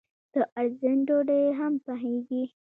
د ارزن ډوډۍ هم پخیږي.